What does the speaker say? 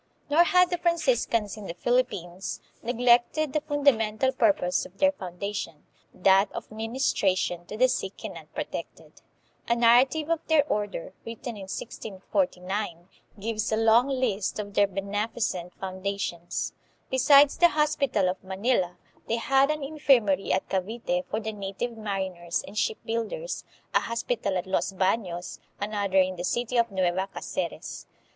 Nor had the Franciscans in the Philippines neglected the fun damental purpose of their foundation, that of ministra tion to the sick and unprotected. A narrative of then* order, written in 1649, gives a long list of their beneficent foundations. 2 Besides the hospital of Manila, they had an infirmary at Cavite for the native mariners and ship builders, a hospital at Los Banos, another in the city of Nueva Cdceres.